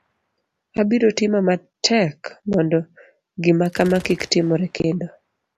abiro timo matek mondo gimakama kik timore kendo